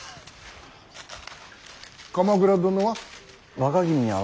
鎌倉殿は。